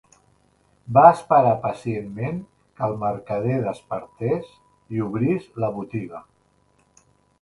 Va esperar pacientment que el mercader despertés i obrís la botiga.